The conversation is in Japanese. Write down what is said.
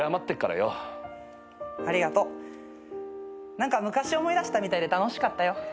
何か昔思い出したみたいで楽しかったよ。